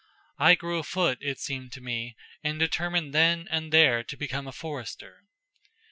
I grew a foot, it seemed to me, and determined then and there to be a forester."